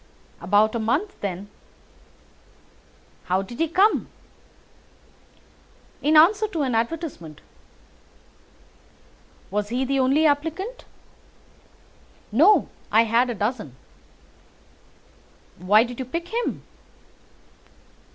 "About a month then." "How did he come?" "In answer to an advertisement." "Was he the only applicant?" "No, I had a dozen." "Why did you pick him?"